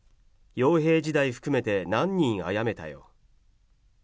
傭兵時代含めて何人あやめたよ？